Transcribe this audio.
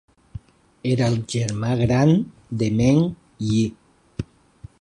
Era el germà gran de Meng Yi.